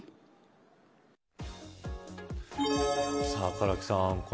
唐木さん